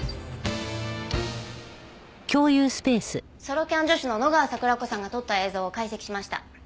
ソロキャン女子の野川桜子さんが撮った映像を解析しました。